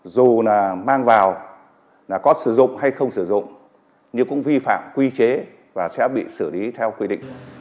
dù là mang vào là có sử dụng hay không sử dụng nhưng cũng vi phạm quy chế và sẽ bị xử lý theo quy định